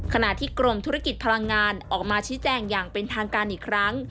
ขณะที่กรมธุรกิจพลังงานออกมาชี้แจงอย่างเป็นทางการอีกครั้ง